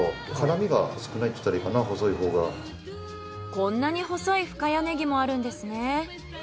こんなに細い深谷ネギもあるんですね。